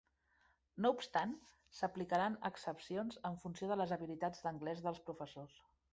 No obstant, s'aplicaran excepcions en funció de les habilitats d'anglès dels professors.